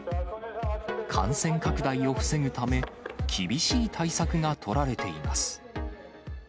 感染拡大を防ぐため、厳しい対策が取られています。